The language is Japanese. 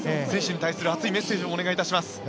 選手に対する熱いメッセージをお願いいたします。